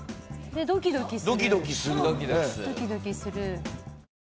ドキドキする。